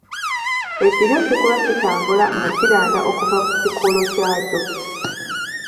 Ekiryo kikula kitambula nga kiranda okuva ku kikolo kyakyo.